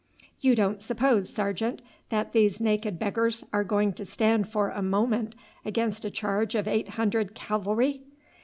"You don't suppose, sergeant, that these naked beggars are going to stand for a moment against a charge of eight hundred cavalry?"